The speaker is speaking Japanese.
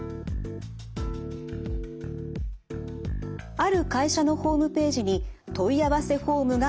ある会社のホームページに問い合わせホームがなかった。